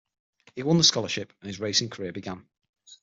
He won the scholarship and his racing career began.